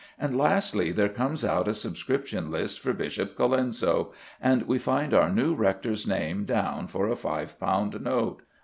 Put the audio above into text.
And, lastly, there comes out a subscription list for Bishop Colenso, and we find our new rector's name down for a five pound note!